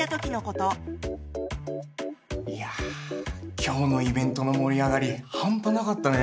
いやぁ今日のイベントの盛り上がりハンパなかったね！